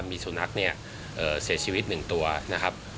มีสุนัขเนี่ยเสียชีวิต๑ตัวนะครับ